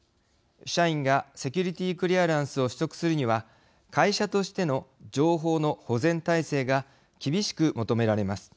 社員がセキュリティークリアランスを取得するには会社としての情報の保全体制が厳しく求められます。